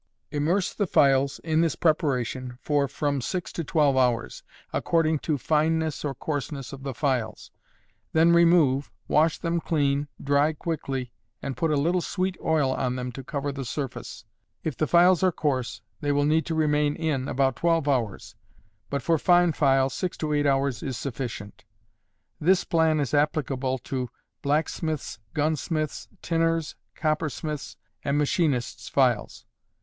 Immerse the files in this preparation for from six to twelve hours, according to fineness or coarseness of the files; then remove, wash them clean, dry quickly, and put a little sweet oil on them to cover the surface. If the files are coarse, they will need to remain in about twelve hours, but for fine files six to eight hours is sufficient. This plan is applicable to blacksmiths', gunsmiths', tinners', coppersmiths' and machinists' files.